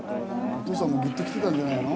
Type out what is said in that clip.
お父さんもグッときてたんじゃないの？